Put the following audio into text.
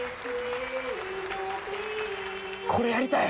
これやりたい！